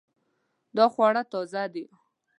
دا خواړه تازه دي